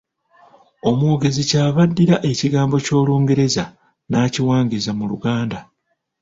Omwogezi ky’ava addira ekigambo ky’olungereza n’akiwangiza mu Luganda